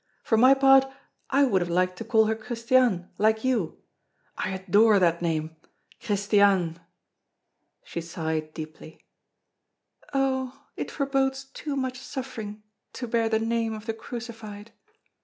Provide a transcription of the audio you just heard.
For my part, I would have liked to call her Christiane, like you. I adore that name Christiane!" She sighed deeply: "Oh! it forebodes too much suffering to bear the name of the Crucified."